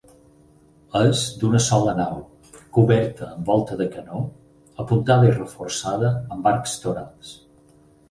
És d'una sola nau, coberta amb volta de canó apuntada i reforçada amb arcs torals.